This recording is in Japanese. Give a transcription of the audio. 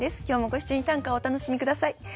今日もご一緒に短歌をお楽しみ下さい。